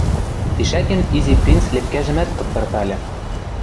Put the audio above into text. Тишӓкен Изи принц лепкӓжӹмӓт кыптыртальы.